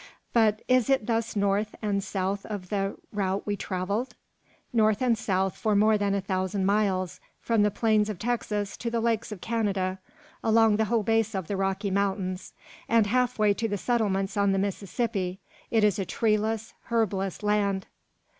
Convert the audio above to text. But is it thus north and south of the route we travelled?" "North and south for more than a thousand miles, from the plains of Texas to the lakes of Canada, along the whole base of the Rocky Mountains, and half way to the settlements on the Mississippi, it is a treeless, herbless land."